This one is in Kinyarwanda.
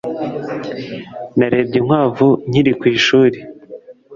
Narebye inkwavu nkiri ku ishuri